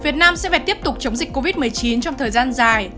việt nam sẽ phải tiếp tục chống dịch covid một mươi chín trong thời gian dài